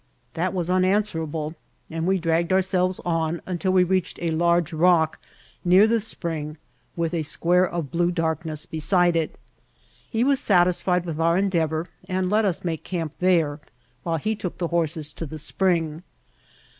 That was unanswerable and we dragged our selves on until we reached a large rock near the spring with a square of blue darkness beside it. He was satisfied with our endeavor and let us make camp there while he took the horses to the spring.